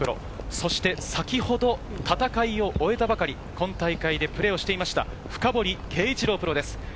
そして先ほど、戦いを終えたばかり、今大会でプレーをしていた深堀圭一郎プロです。